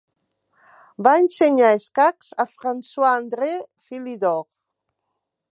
Va ensenyar escacs a François-André Philidor.